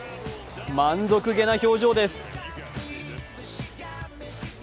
満足げな表情です。